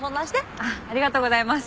ありがとうございます。